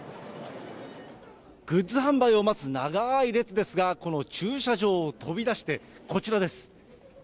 グッズ販売を待つ長い列ですが、この駐車場を飛び出して、こちらです。